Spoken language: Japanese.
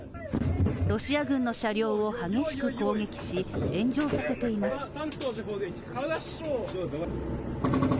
ロシア軍の車両を激しく攻撃し炎上させています。